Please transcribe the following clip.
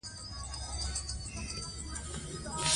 دا جوته ده چې په ګرمو سیمو کې ناروغیو ستونزې زېږولې.